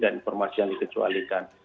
dan informasi yang dikecualikan